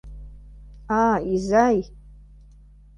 А, изай?